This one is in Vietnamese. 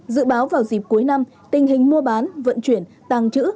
dự báo vào dịp cuối năm tình hình mua bán vận chuyển tàng trữ